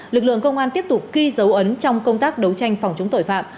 lực lượng công an tiếp tục ghi dấu ấn trong công tác đấu tranh phòng chống tội phạm